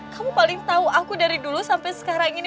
kamu paling tahu aku dari dulu sampai sekarang ini